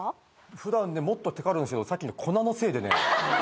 ふだん、もっとてかるんですよ、さっきの粉のせいでね。